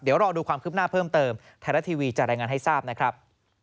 เดี๋ยวรอดูความคืบหน้าเพิ่มเติมไทยรัฐทีวีจะรายงานให้ทราบนะครับ